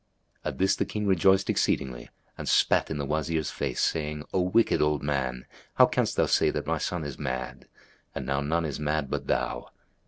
At this the King rejoiced exceedingly and spat in the Wazir's face, saying, "O wicked old man, how canst thou say that my son is mad? And now none is mad but thou."